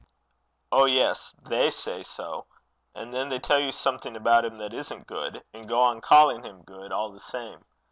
'Oh, yes. They say so. And then they tell you something about him that isn't good, and go on calling him good all the same.